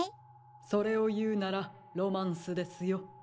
それをいうなら「ロマンス」ですよ。